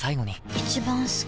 一番好き